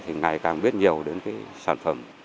thì ngày càng biết nhiều đến sản phẩm